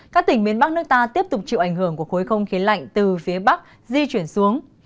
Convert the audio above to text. các tỉnh miền bắc nước ta tiếp tục chịu ảnh hưởng của khối không khí lạnh từ phía bắc di chuyển xuống